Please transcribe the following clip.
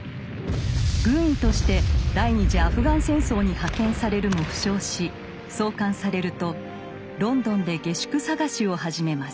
軍医として第二次アフガン戦争に派遣されるも負傷し送還されるとロンドンで下宿探しを始めます。